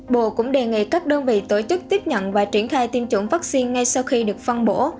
bộ cũng đề nghị các đơn vị tổ chức tiếp nhận và triển khai tiêm chủng vaccine ngay sau khi được phân bổ